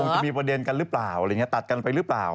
คงจะมีประเด็นกันหรือเปล่าตัดกันไปหรือเปล่า